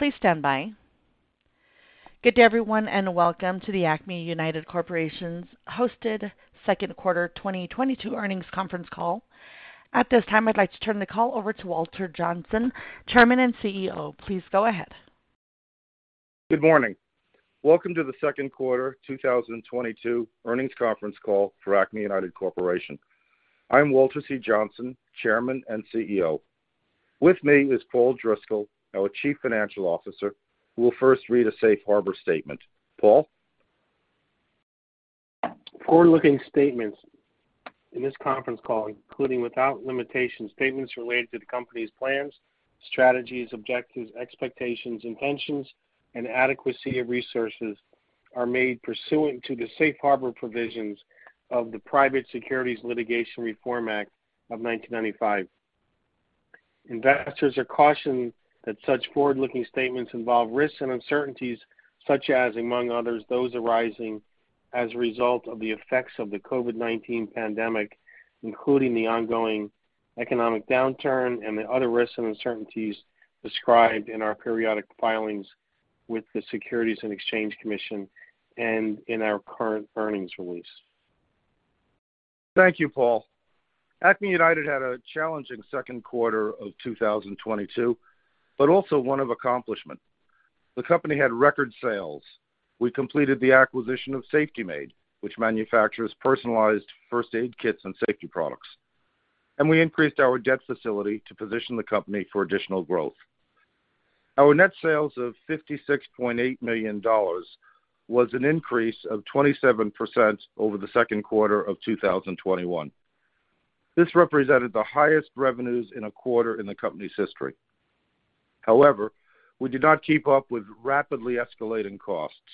Please stand by. Good day everyone, and welcome to the Acme United Corporation's hosted Q2 2022 Earnings Conference Call. At this time, I'd like to turn the call over to Walter Johnsen, Chairman and CEO. Please go ahead. Good morning. Welcome to the Q2 2022 Earnings Conference Call for Acme United Corporation. I'm Walter C. Johnsen, Chairman and CEO. With me is Paul Driscoll, our Chief Financial Officer, who will first read a safe harbor statement. Paul. Forward-looking statements in this conference call, including without limitation, statements related to the company's plans, strategies, objectives, expectations, intentions, and adequacy of resources are made pursuant to the Safe Harbor provisions of the Private Securities Litigation Reform Act of 1995. Investors are cautioned that such forward-looking statements involve risks and uncertainties such as, among others, those arising as a result of the effects of the COVID-19 pandemic, including the ongoing economic downturn and the other risks and uncertainties described in our periodic filings with the Securities and Exchange Commission and in our current earnings release. Thank you, Paul. Acme United had a challenging Q2 of 2022, but also one of accomplishment. The company had record sales. We completed the acquisition of Safety Made, which manufactures personalized first aid kits and safety products. We increased our debt facility to position the company for additional growth. Our net sales of $56.8 million was an increase of 27% over the Q2 of 2021. This represented the highest revenues in a quarter in the company's history. However, we did not keep up with rapidly escalating costs.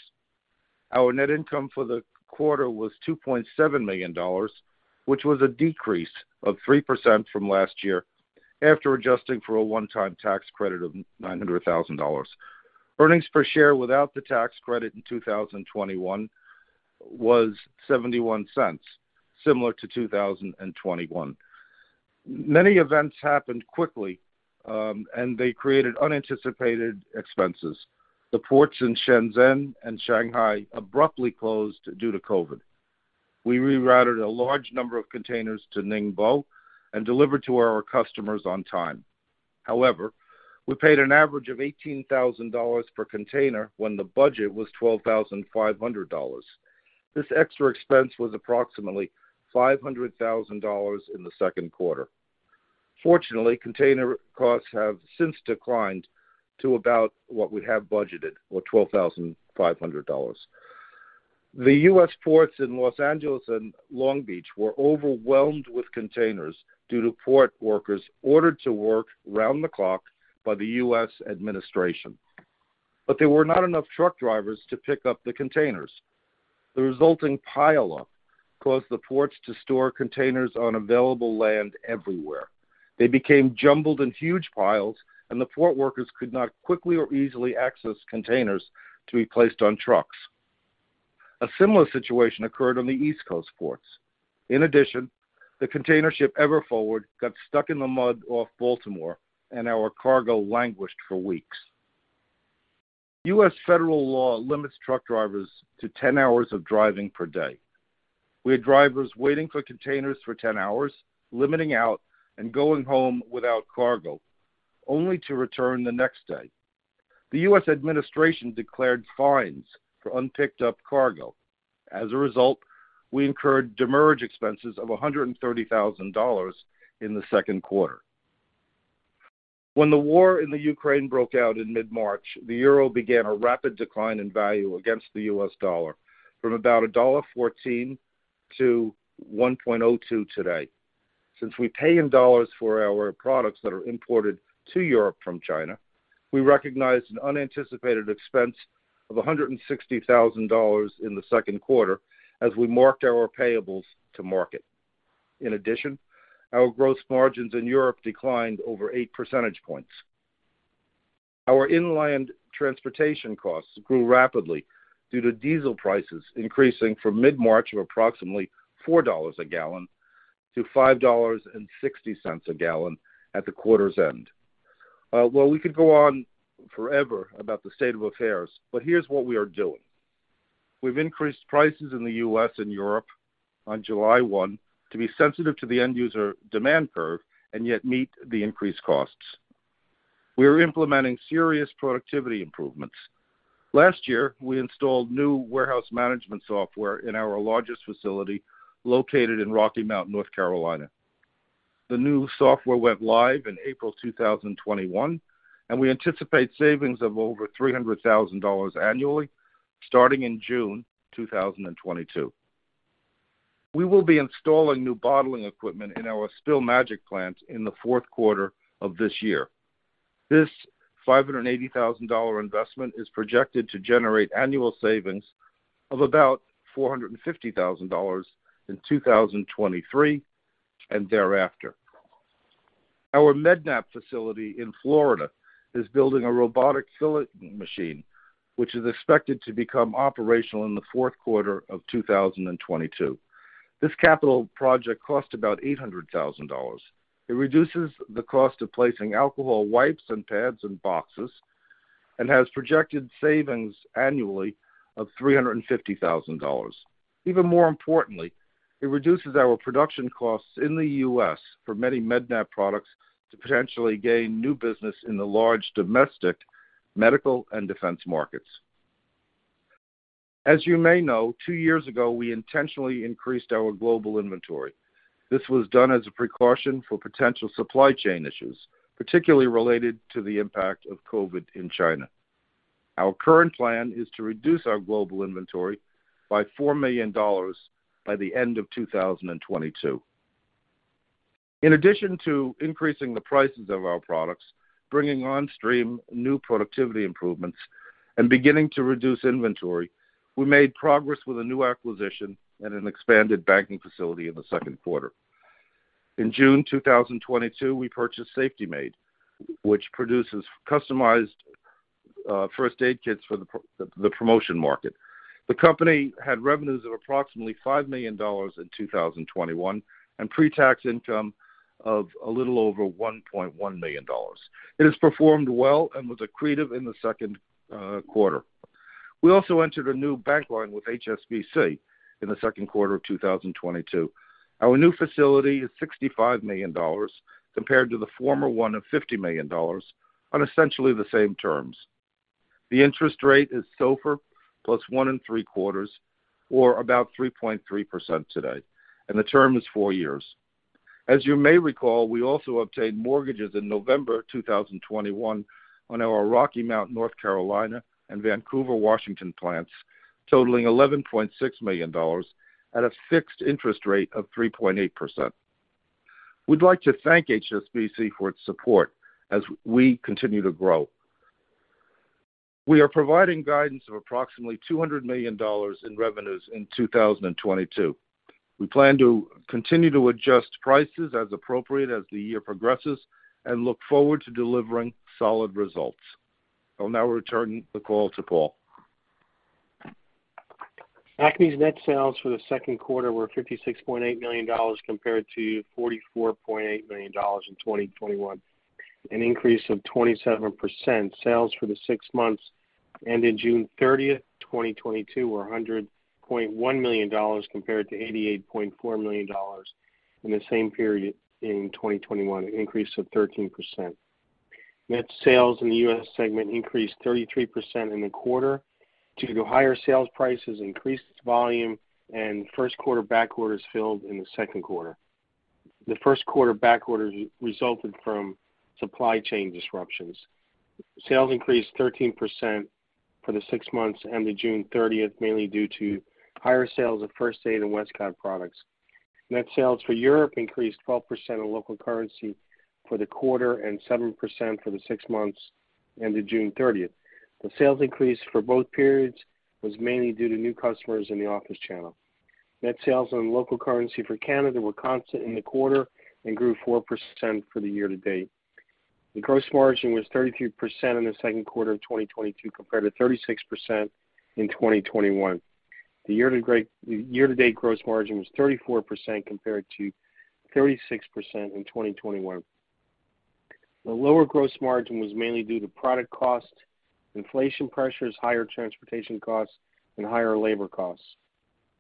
Our net income for the quarter was $2.7 million, which was a decrease of 3% from last year after adjusting for a one-time tax credit of $900,000. Earnings per share without the tax credit in 2021 was $0.71, similar to 2021. Many events happened quickly, and they created unanticipated expenses. The ports in Shenzhen and Shanghai abruptly closed due to COVID. We rerouted a large number of containers to Ningbo and delivered to our customers on time. However, we paid an average of $18,000 per container when the budget was $12,500. This extra expense was approximately $500,000 in the Q2. Fortunately, container costs have since declined to about what we have budgeted, or $12,500. The US ports in Los Angeles and Long Beach were overwhelmed with containers due to port workers ordered to work round the clock by the US administration. There were not enough truck drivers to pick up the containers. The resulting pile up caused the ports to store containers on available land everywhere. They became jumbled in huge piles, and the port workers could not quickly or easily access containers to be placed on trucks. A similar situation occurred on the East Coast ports. In addition, the container ship Ever Forward got stuck in the mud off Baltimore, and our cargo languished for weeks. US federal law limits truck drivers to 10 hours of driving per day. We had drivers waiting for containers for 10 hours, limiting out and going home without cargo, only to return the next day. The US administration declared fines for unpicked up cargo. As a result, we incurred demurrage expenses of $130,000 in the Q2. When the war in Ukraine broke out in mid-March, the euro began a rapid decline in value against the US dollar from about $1.14 to 1.02 today. Since we pay in dollars for our products that are imported to Europe from China, we recognized an unanticipated expense of $160,000 in the Q2 as we marked our payables to market. In addition, our gross margins in Europe declined over 8 percentage points. Our inland transportation costs grew rapidly due to diesel prices increasing from mid-March of approximately $4 a gallon to 5.60 a gallon at the quarter's end. Well, we could go on forever about the state of affairs, but here's what we are doing. We've increased prices in the US and Europe on 1 July 2022 to be sensitive to the end user demand curve and yet meet the increased costs. We are implementing serious productivity improvements. Last year, we installed new warehouse management software in our largest facility located in Rocky Mount, North Carolina. The new software went live in April 2021, and we anticipate savings of over $300,000 annually starting in June 2022. We will be installing new bottling equipment in our Spill Magic plant in the Q4 of this year. This $580,000 investment is projected to generate annual savings of about $450,000 in 2023 and thereafter. Our Med-Nap facility in Florida is building a robotic filling machine, which is expected to become operational in the Q4 of 2022. This capital project cost about $800,000. It reduces the cost of placing alcohol wipes and pads in boxes and has projected savings annually of $350,000. Even more importantly, it reduces our production costs in the US for many Med-Nap products to potentially gain new business in the large domestic, medical, and defense markets. As you may know, two years ago, we intentionally increased our global inventory. This was done as a precaution for potential supply chain issues, particularly related to the impact of COVID in China. Our current plan is to reduce our global inventory by $4 million by the end of 2022. In addition to increasing the prices of our products, bringing on stream new productivity improvements, and beginning to reduce inventory, we made progress with a new acquisition and an expanded banking facility in the Q2. In June 2022, we purchased Safety Made, which produces customized first aid kits for the promotion market. The company had revenues of approximately $5 million in 2021 and pre-tax income of a little over $1.1 million. It has performed well and was accretive in the Q2. We also entered a new bank line with HSBC in the Q2 of 2022. Our new facility is $65 million compared to the former one of $50 million on essentially the same terms. The interest rate is SOFR 1.75%+ or about 3.3% today, and the term is four years. As you may recall, we also obtained mortgages in November 2021 on our Rocky Mount, North Carolina, and Vancouver, Washington, plants, totaling $11.6 million at a fixed interest rate of 3.8%. We'd like to thank HSBC for its support as we continue to grow. We are providing guidance of approximately $200 million in revenues in 2022. We plan to continue to adjust prices as appropriate as the year progresses and look forward to delivering solid results. I'll now return the call to Paul. Acme's net sales for the Q2 were $56.8 million compared to $44.8 million in 2021, an increase of 27%. Sales for the six months ended 30 June 2022 were $100.1 million compared to $88.4 million in the same period in 2021, an increase of 13%. Net sales in the US segment increased 33% in the quarter due to higher sales prices, increased volume, and Q1 backorders filled in the Q2. The Q1 backorders resulted from supply chain disruptions. Sales increased 13% for the six months ended 30 June 2022, mainly due to higher sales of First Aid and Westcott products. Net sales for Europe increased 12% in local currency for the quarter and 7% for the six months ended 30 June 2022. The sales increase for both periods was mainly due to new customers in the office channel. Net sales in local currency for Canada were constant in the quarter and grew 4% for the year-to-date. The gross margin was 33% in the Q2 of 2022 compared to 36% in 2021. The year-to-date gross margin was 34% compared to 36% in 2021. The lower gross margin was mainly due to product cost, inflation pressures, higher transportation costs, and higher labor costs.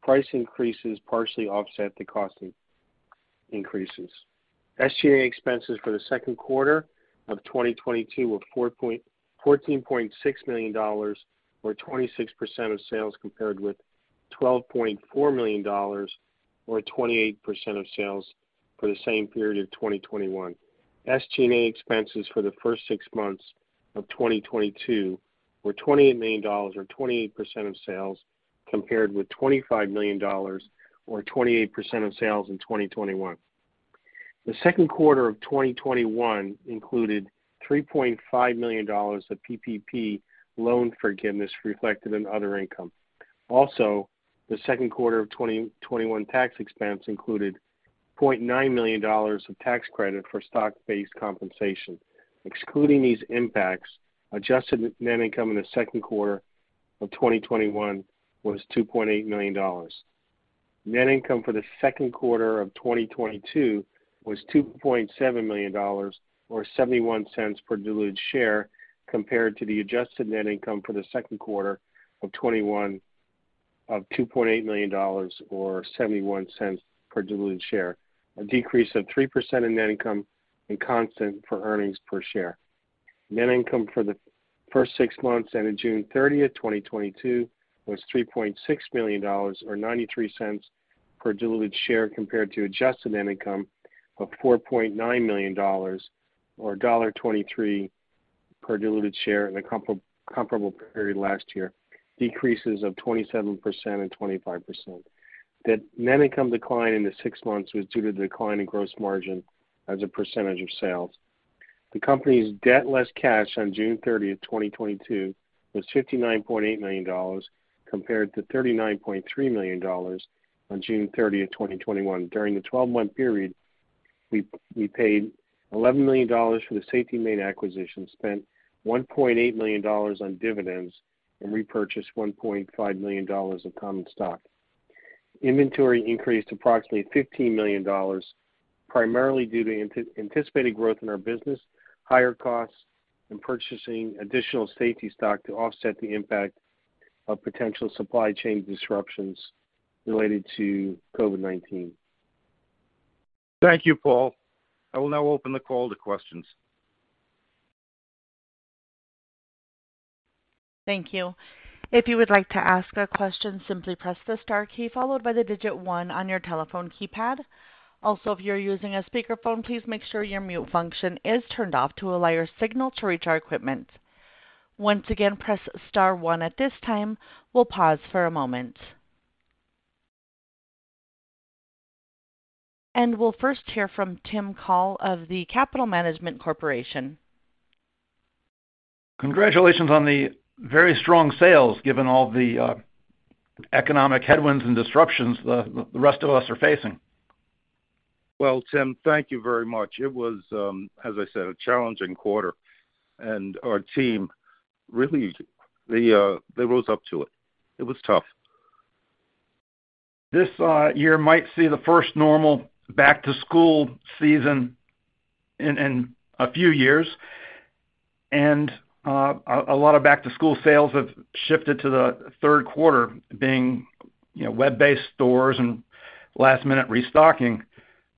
Price increases partially offset the cost increases. SG&A expenses for the Q2 of 2022 were $14.6 million or 26% of sales compared with $12.4 million or 28% of sales for the same period of 2021. SG&A expenses for the first six months of 2022 were $28 million or 28% of sales, compared with $25 million or 28% of sales in 2021. The Q2 of 2021 included $3.5 million of PPP loan forgiveness reflected in other income. Also, the Q2 of 2021 tax expense included $0.9 million of tax credit for stock-based compensation. Excluding these impacts, adjusted net income in the Q2 of 2021 was $2.8 million. Net income for the Q2 of 2022 was $2.7 million or $0.71 per diluted share compared to the adjusted net income for the Q2 of 2021 of $2.8 million or $0.71 per diluted share, a decrease of 3% in net income and constant for earnings per share. Net income for the first six months ended 30 June 2022 was $3.6 million or $0.93 per diluted share compared to adjusted net income of $4.9 million or $1.23 per diluted share in the comparable period last year, decreases of 27% and 25%. The net income decline in the six months was due to the decline in gross margin as a percentage of sales. The company's debt less cash on 30 June 2022 was $59.8 million compared to $39.3 million on 30 June 2021. During the 12-month period, we paid $11 million for the Safety Made acquisition, spent $1.8 million on dividends and repurchased $1.5 million of common stock. Inventory increased approximately $15 million, primarily due to unanticipated growth in our business, higher costs, and purchasing additional safety stock to offset the impact of potential supply chain disruptions related to COVID-19. Thank you, Paul. I will now open the call to questions. Thank you. If you would like to ask a question, simply press the star key followed by the digit one on your telephone keypad. Also, if you're using a speakerphone, please make sure your mute function is turned off to allow your signal to reach our equipment. Once again, press star one at this time. We'll pause for a moment. We'll first hear from Tim Call of the Capital Management Corporation. Congratulations on the very strong sales, given all the economic headwinds and disruptions the rest of us are facing. Well, Tim, thank you very much. It was, as I said, a challenging quarter, and our team, really, they rose up to it. It was tough. This year might see the first normal back-to-school season in a few years. A lot of back-to-school sales have shifted to the Q3 being, you know, web-based stores and last-minute restocking.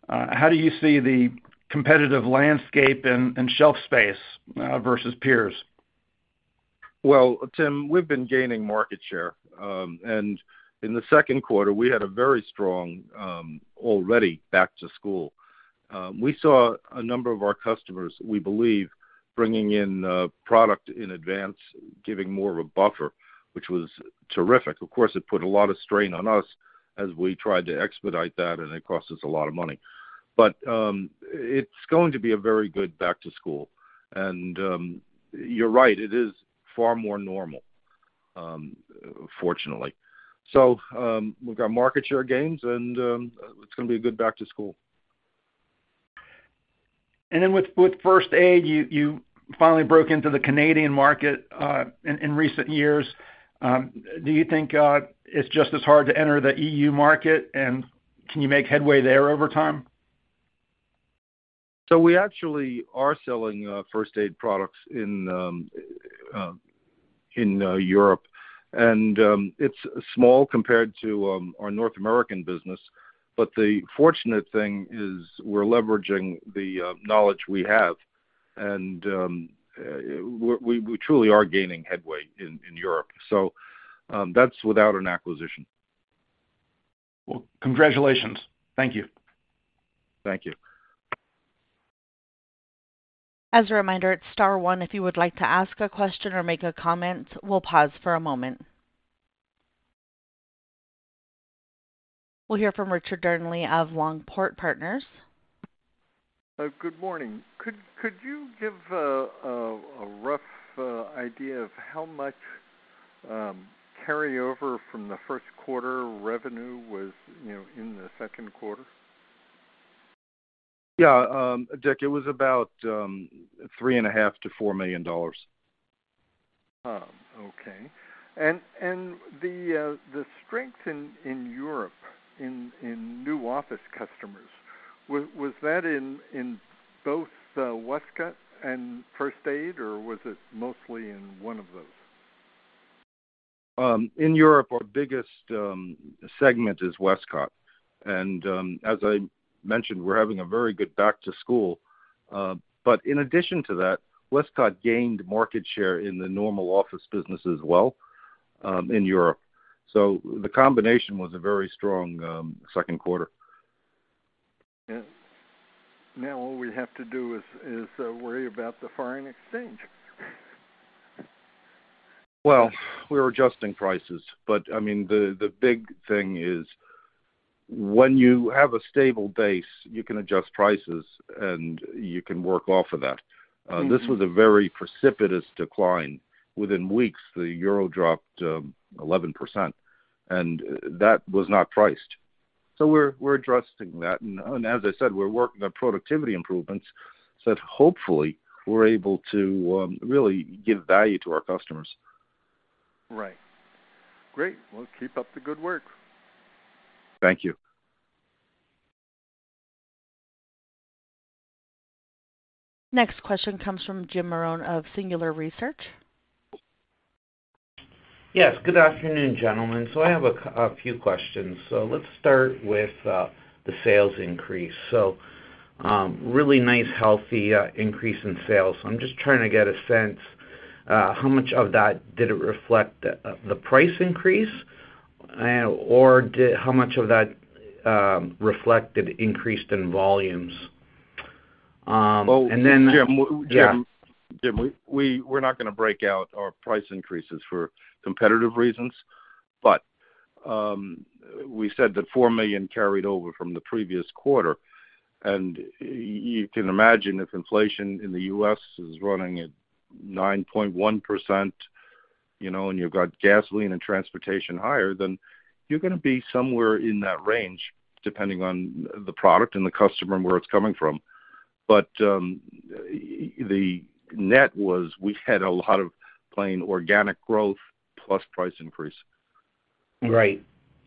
How do you see the competitive landscape and shelf space versus peers? Well, Tim, we've been gaining market share. In the Q2, we had a very strong already back to school. We saw a number of our customers, we believe, bringing in product in advance, giving more of a buffer, which was terrific. Of course, it put a lot of strain on us as we tried to expedite that, and it cost us a lot of money. It's going to be a very good back to school. You're right, it is far more normal, fortunately. We've got market share gains and it's gonna be a good back to school. With First Aid, you finally broke into the Canadian market in recent years. Do you think it's just as hard to enter the EU market, and can you make headway there over time? We actually are selling First Aid products in Europe. It's small compared to our North American business. The fortunate thing is we're leveraging the knowledge we have, and we truly are gaining headway in Europe. That's without an acquisition. Well, congratulations. Thank you. Thank you. As a reminder, it's star one if you would like to ask a question or make a comment. We'll pause for a moment. We'll hear from Richard Dearnley of Longport Partners. Good morning. Could you give a rough idea of how much carryover from the Q1 revenue was, you know, in the Q2? Yeah. Dick, it was about $3.5 to 4 million. Okay. The strength in Europe in new office customers, was that in both Westcott and First Aid, or was it mostly in one of those? In Europe, our biggest segment is Westcott. As I mentioned, we're having a very good back to school. In addition to that, Westcott gained market share in the normal office business as well, in Europe. The combination was a very strong Q2. Yeah. Now, all we have to do is worry about the foreign exchange. Well, we're adjusting prices, but I mean, the big thing is when you have a stable base, you can adjust prices, and you can work off of that. Mm-hmm. This was a very precipitous decline. Within weeks, the euro dropped 11%, and that was not priced. We're addressing that. As I said, we're working on productivity improvements so that hopefully we're able to really give value to our customers. Right. Great. Well, keep up the good work. Thank you. Next question comes from Jim Marrone of Singular Research. Yes, good afternoon, gentlemen. I have a few questions. Let's start with the sales increase. Really nice, healthy increase in sales. I'm just trying to get a sense how much of that did it reflect the price increase or did how much of that reflected increase in volumes? [inaudible] Jim, we're not gonna break out our price increases for competitive reasons, but we said that $4 million carried over from the previous quarter. You can imagine if inflation in the US is running at 9.1%, you know, and you've got gasoline and transportation higher, then you're gonna be somewhere in that range, depending on the product and the customer and where it's coming from. The net was we had a lot of plain organic growth plus price increase. Right.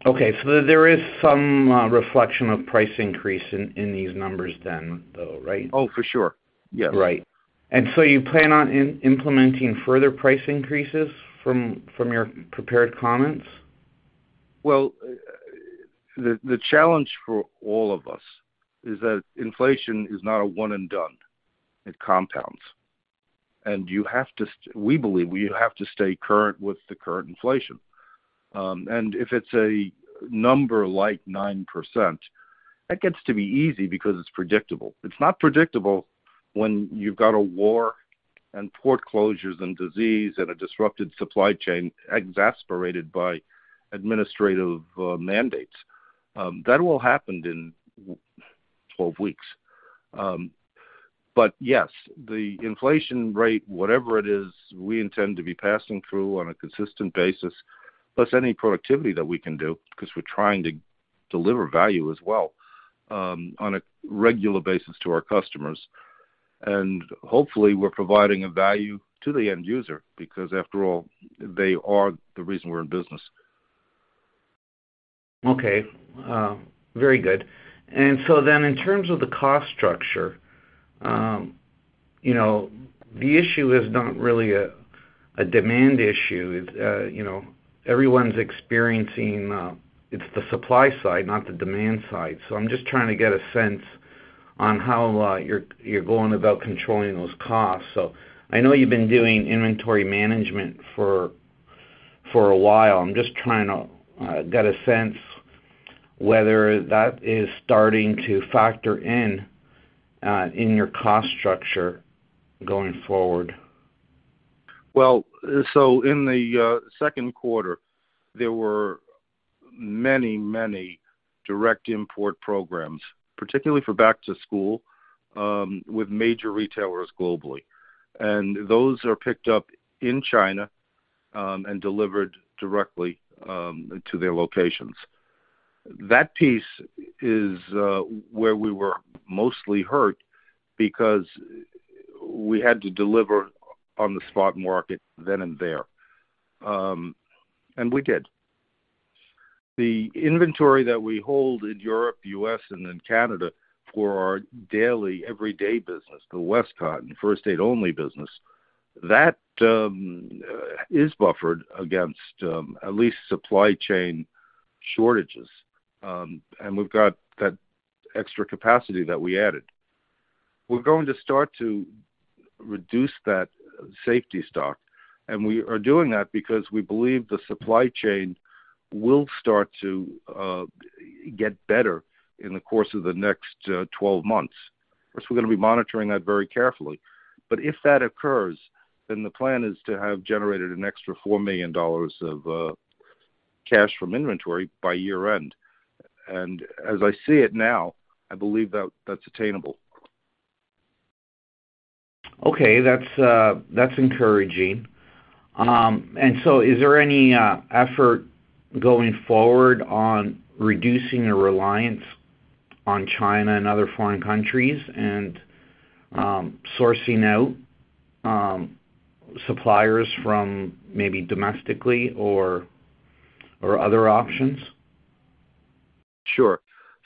Okay. There is some reflection of price increase in these numbers then though, right? Oh, for sure. Yes. Right. You plan on implementing further price increases from your prepared comments? Well, the challenge for all of us is that inflation is not a one and done. It compounds. We believe we have to stay current with the current inflation. If it's a number like 9%, that gets to be easy because it's predictable. It's not predictable when you've got a war and port closures and disease and a disrupted supply chain exasperated by administrative mandates. That all happened in 12 weeks. Yes, the inflation rate, whatever it is, we intend to be passing through on a consistent basis, plus any productivity that we can do because we're trying to deliver value as well, on a regular basis to our customers. Hopefully we're providing a value to the end user because after all, they are the reason we're in business. Okay. Very good. In terms of the cost structure, you know, the issue is not really a demand issue. It's, you know, everyone's experiencing, it's the supply side, not the demand side. I'm just trying to get a sense on how you're going about controlling those costs. I know you've been doing inventory management for a while. I'm just trying to get a sense whether that is starting to factor in in your cost structure going forward. Well, in the Q2, there were many, many direct import programs, particularly for back to school with major retailers globally. Those are picked up in China and delivered directly to their locations. That piece is where we were mostly hurt because we had to deliver on the spot market then and there, and we did. The inventory that we hold in Europe, US, and in Canada for our daily everyday business, the Westcott and First Aid Only business, that is buffered against at least supply chain shortages. We've got that extra capacity that we added. We're going to start to reduce that safety stock, and we are doing that because we believe the supply chain will start to get better in the course of the next 12-months. Of course, we're gonna be monitoring that very carefully. If that occurs, then the plan is to have generated an extra $4 million of cash from inventory by year-end. As I see it now, I believe that that's attainable. Okay. That's encouraging. Is there any effort going forward on reducing your reliance on China and other foreign countries and sourcing out suppliers from maybe domestically or other options? Sure.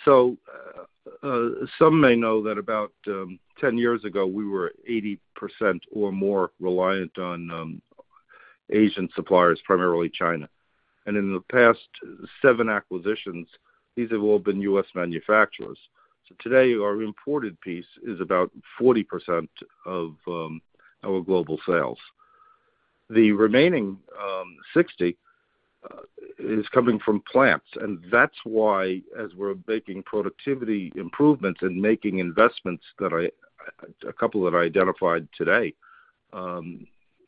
Some may know that about 10 years ago, we were 80% or more reliant on Asian suppliers, primarily China. In the past 7 acquisitions, these have all been US manufacturers. Today, our imported piece is about 40% of our global sales. The remaining 60% is coming from plants. That's why as we're making productivity improvements and making investments, a couple that I identified today,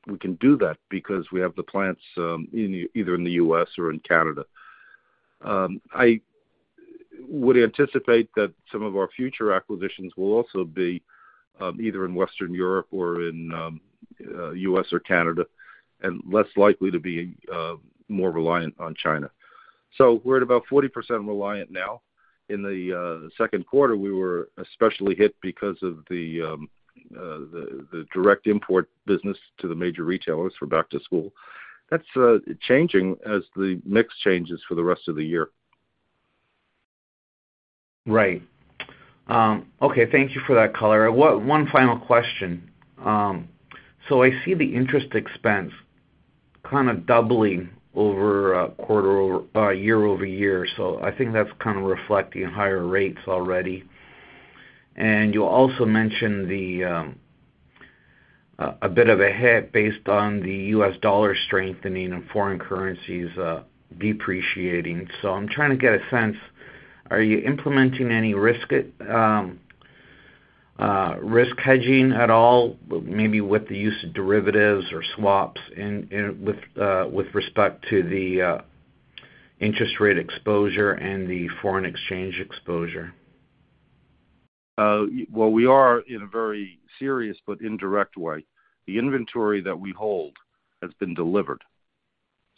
we can do that because we have the plants either in the US or in Canada. I would anticipate that some of our future acquisitions will also be either in Western Europe or in US or Canada, and less likely to be more reliant on China. We're at about 40% reliant now. In the Q2, we were especially hit because of the direct import business to the major retailers for back to school. That's changing as the mix changes for the rest of the year. Right. Okay. Thank you for that color. One final question. I see the interest expense kind of doubling year-over-year. I think that's kind of reflecting higher rates already. You also mentioned a bit of a hit based on the US dollar strengthening and foreign currencies depreciating. I'm trying to get a sense, are you implementing any risk hedging at all, maybe with the use of derivatives or swaps with respect to the interest rate exposure and the foreign exchange exposure? Well, we are in a very serious but indirect way. The inventory that we hold has been delivered.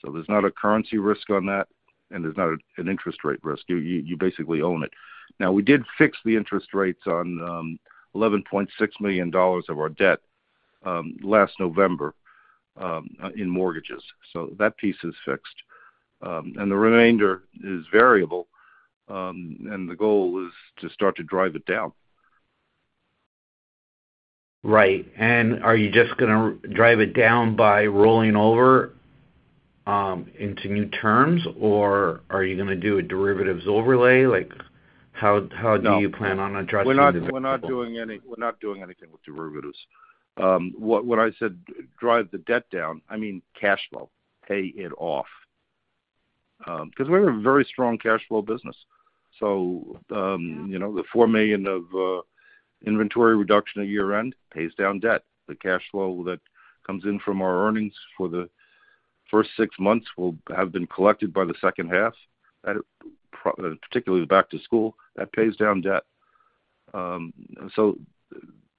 There's not a currency risk on that, and there's not an interest rate risk. You basically own it. Now, we did fix the interest rates on $11.6 million of our debt last November in mortgages. That piece is fixed. The remainder is variable, and the goal is to start to drive it down. Right. Are you just gonna drive it down by rolling over into new terms, or are you gonna do a derivatives overlay? Like, how do you plan on addressing the- We're not doing anything with derivatives. When I said drive the debt down, I mean cash flow. Pay it off. 'Cause we have a very strong cash flow business. You know, the $4 million of inventory reduction at year-end pays down debt. The cash flow that comes in from our earnings for the first six months will have been collected by the H2, particularly back to school, that pays down debt.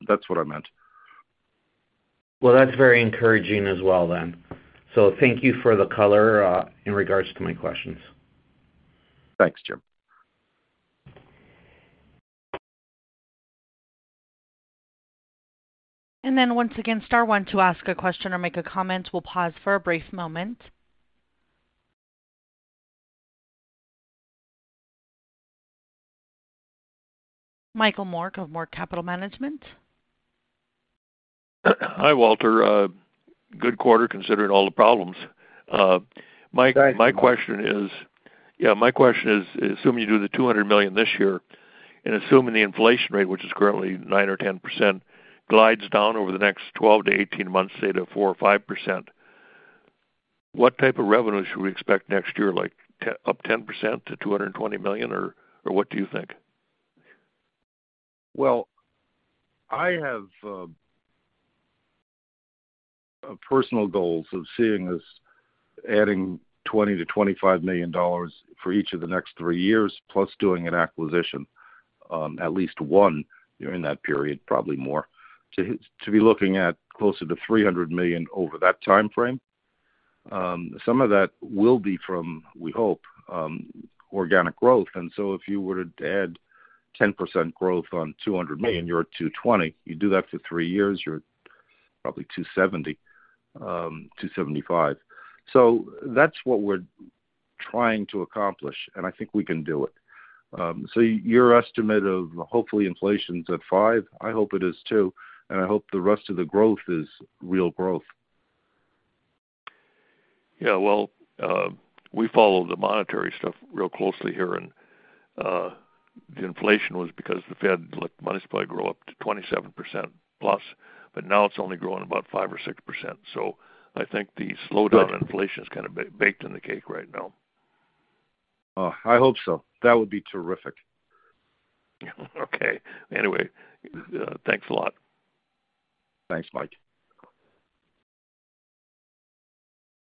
That's what I meant. Well, that's very encouraging as well then. Thank you for the color in regards to my questions. Thanks, Jim. Once again, star one to ask a question or make a comment. We'll pause for a brief moment. Michael Mork of Mork Capital Management. Hi, Walter. Good quarter, considering all the problems. Thanks. My question is, assuming you do $200 million this year, and assuming the inflation rate, which is currently 9% or 10%, glides down over the next 12-18 months, say to 4% or 5%, what type of revenue should we expect next year, like up 10% to $220 million, or what do you think? Well, I have personal goals of seeing us adding $20 to 25 million for each of the next three years, plus doing an acquisition, at least one during that period, probably more, to be looking at closer to $300 million over that timeframe. Some of that will be from, we hope, organic growth. If you were to add 10% growth on $200 million, you're at $220 million. You do that for three years, you're probably $270 million, $275 million. That's what we're trying to accomplish, and I think we can do it. Your estimate of hopefully inflations at 5%, I hope it is too, and I hope the rest of the growth is real growth. Yeah, well, we follow the monetary stuff real closely here, and the inflation was because the Fed let the money supply grow up to 27%+, but now it's only growing about 5% or 6%. I think the slowdown in inflation is kinda baked in the cake right now. I hope so. That would be terrific. Okay. Anyway, thanks a lot. Thanks, Mike.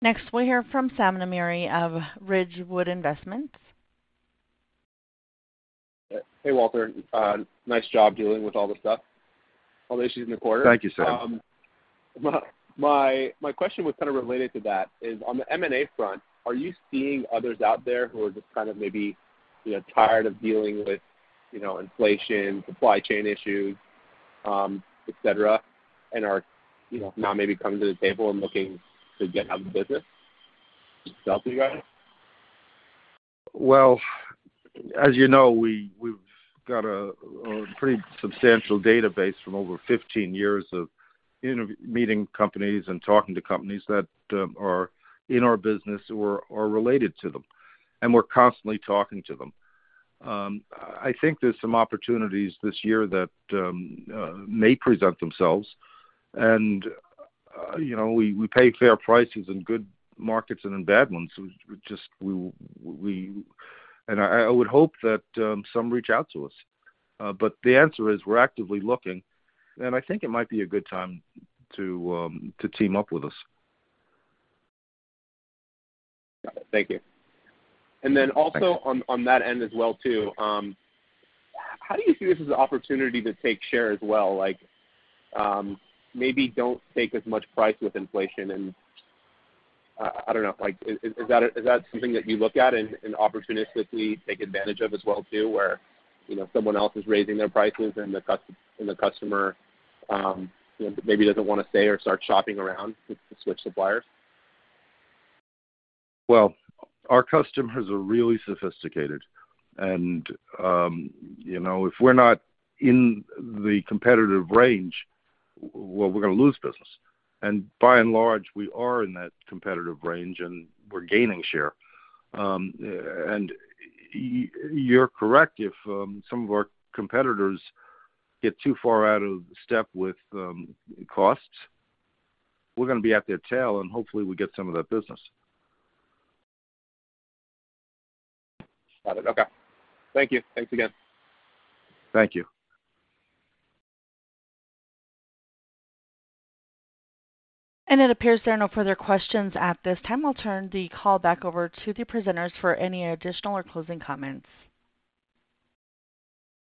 Next, we'll hear from Sam Namiri of Ridgewood Investments. Hey, Walter. Nice job dealing with all this stuff, all the issues in the quarter. Thank you, Sam. My question was kinda related to that, is on the M&A front, are you seeing others out there who are just kind of maybe, you know, tired of dealing with, you know, inflation, supply chain issues, et cetera, and are, you know, now maybe coming to the table and looking to get out of the business to sell to you guys? As you know, we've got a pretty substantial database from over 15 years of meeting companies and talking to companies that are in our business or related to them, and we're constantly talking to them. I think there's some opportunities this year that may present themselves and, you know, we pay fair prices in good markets and in bad ones. I would hope that some reach out to us. The answer is we're actively looking, and I think it might be a good time to team up with us. Got it. Thank you. Then also on that end as well too, how do you see this as an opportunity to take share as well? Like, maybe don't take as much price with inflation and I don't know, like is that something that you look at and opportunistically take advantage of as well too where, you know, someone else is raising their prices and the customer, you know, maybe doesn't wanna stay or start shopping around to switch suppliers? Well, our customers are really sophisticated and, you know, if we're not in the competitive range, we're gonna lose business. By and large, we are in that competitive range, and we're gaining share. You're correct. If some of our competitors get too far out of step with costs, we're gonna be at their tail, and hopefully we get some of that business. Got it. Okay. Thank you. Thanks again. Thank you. It appears there are no further questions at this time. We'll turn the call back over to the presenters for any additional or closing comments.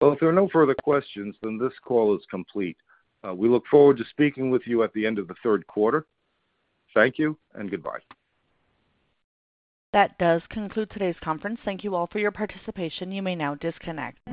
Well, if there are no further questions, then this call is complete. We look forward to speaking with you at the end of the Q3. Thank you and goodbye. That does conclude today's conference. Thank you all for your participation. You may now disconnect.